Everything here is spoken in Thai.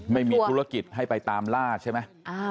ไม่มีธุรกิจให้ไปตามล่าใช่ไหม